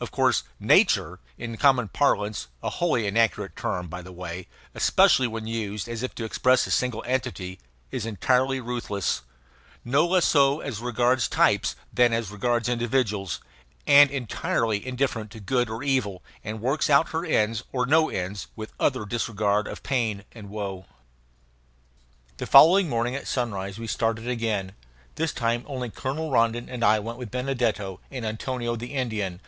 Of course "nature" in common parlance a wholly inaccurate term, by the way, especially when used as if to express a single entity is entirely ruthless, no less so as regards types than as regards individuals, and entirely indifferent to good or evil, and works out her ends or no ends with utter disregard of pain and woe. The following morning at sunrise we started again. This time only Colonel Rondon and I went with Benedetto and Antonio the Indian.